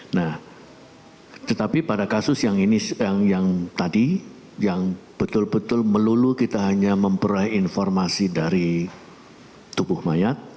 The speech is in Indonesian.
nah tetapi pada kasus yang tadi yang betul betul melulu kita hanya memperoleh informasi dari tubuh mayat